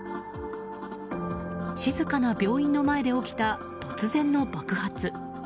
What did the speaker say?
静かな病院の前で起きた突然の爆発。